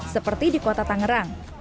seperti di kota tangerang